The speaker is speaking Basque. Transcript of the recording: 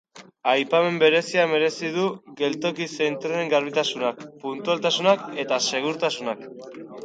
Aipamen berezia merezi du geltoki zein trenen garbitasunak, puntualtasunak eta segurtasunak.